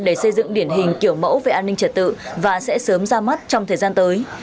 để xây dựng điển hình kiểu mẫu về an ninh trật tự và sẽ sớm ra mắt trong thời gian tới